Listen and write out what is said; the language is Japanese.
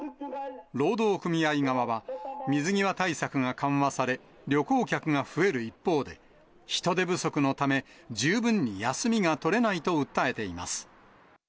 労働組合側は、水際対策が緩和され、旅行客が増える一方で、人手不足のため、十分に休みが取れないと訴えています。